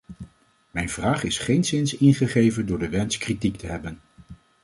Mijn vraag is geenszins ingegeven door de wens kritiek te hebben.